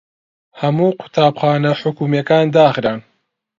هەموو قوتابخانە حکوومییەکان داخران.